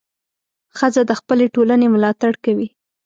ښځه د خپلې ټولنې ملاتړ کوي.